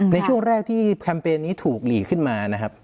ในช่วงแรกที่แคมเปญนี้ถูกหลีกขึ้นมานะครับ